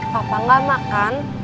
papa tidak makan